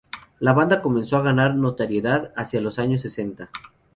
La banda comenzó a ganar notoriedad hacia los años sesenta.